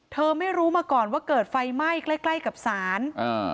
เธอไม่รู้มาก่อนว่าเกิดไฟไหม้ใกล้กับสารอ่า